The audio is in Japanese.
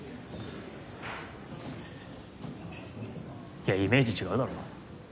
いやイメージ違うだろ。